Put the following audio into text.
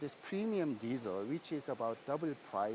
diesel premium yang berharga dua kali